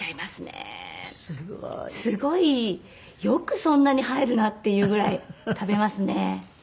よくそんなに入るなっていうぐらい食べますね。